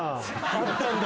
あったんだ。